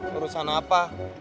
turut sana apa